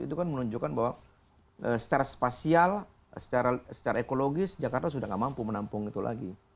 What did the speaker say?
itu kan menunjukkan bahwa secara spasial secara ekologis jakarta sudah tidak mampu menampung itu lagi